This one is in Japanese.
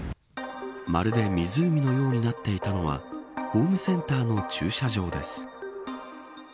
まるで湖のようになっていたのはホームセンターの駐車場です。